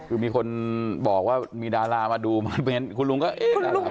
คือมีคนบอกว่ามีดารามาดูคอมเมนต์คุณลุงก็เอ๊ะดาราคุณไหน